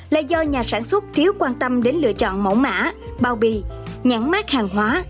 là do nhà sản xuất thiếu quan tâm đến lựa chọn mẫu mã bao bì nhãn mát hàng hóa